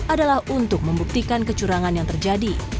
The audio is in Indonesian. adalah untuk membuktikan kecurangan yang terjadi